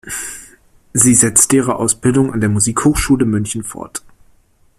Sie setzte ihre Ausbildung an der Musikhochschule München fort.